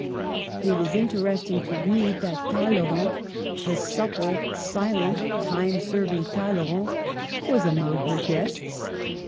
It is interesting to read that Talley rand — the supple, silent, time serving Talleyrand •— was among her guests.